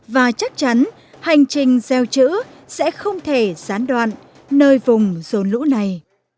và chắc chắn hành trình gieo chữ sẽ không thể gián đoạn nơi vùng rồn lũ này